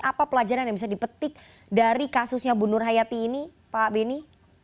apa pelajaran yang bisa dipetik dari kasusnya bunur hayat ini pak beni